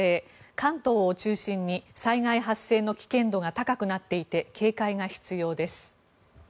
関東を中心に災害発生の危険度が高くなっていて警戒が必要です。